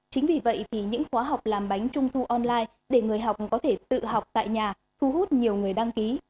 chính vì vậy thì những khóa học làm bánh trung thu online để người học có thể tự học tại nhà thu hút nhiều người đăng ký